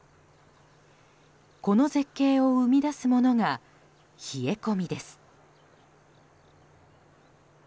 この絶景を生み出すものが冷え込みです。